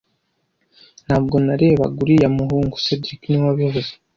Ntabwo narebaga uriya muhungu cedric niwe wabivuze